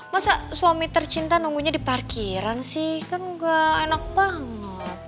masa suami tercinta nunggunya di parkiran sih kan gak enak banget